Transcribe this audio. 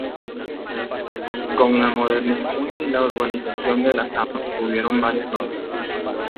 Con la modernización y la urbanización de la samba, tuvieron varios nombres.